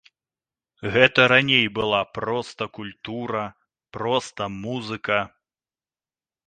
Гэта раней была проста культура, проста музыка.